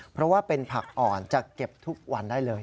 เพราะว่าเป็นผักอ่อนจะเก็บทุกวันได้เลย